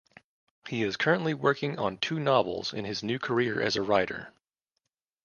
He is currently working on two novels in his new career as a writer.